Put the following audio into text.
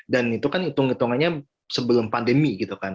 dan itu kan hitung hitungannya sebelum pandemi gitu kan